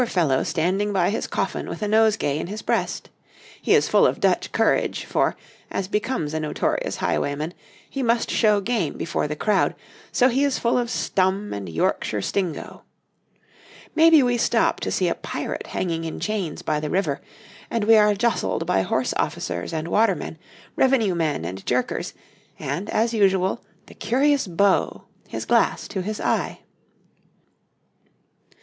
}] There is a sadder sight to come, a cart on the way to Tyburn, a poor fellow standing by his coffin with a nosegay in his breast; he is full of Dutch courage, for, as becomes a notorious highwayman, he must show game before the crowd, so he is full of stum and Yorkshire stingo. Maybe we stop to see a pirate hanging in chains by the river, and we are jostled by horse officers and watermen, revenue men and jerkers, and, as usual, the curious beau, his glass to his eye.